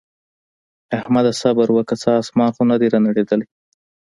احمده! صبره وکړه څه اسمان خو نه دی رانړېدلی.